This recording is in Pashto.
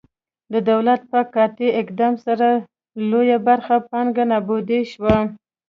د دولت په قاطع اقدام سره لویه برخه پانګه نابوده شوه.